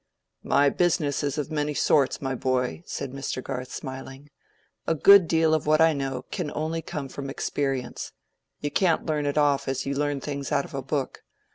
"My business is of many sorts, my boy," said Mr. Garth, smiling. "A good deal of what I know can only come from experience: you can't learn it off as you learn things out of a book.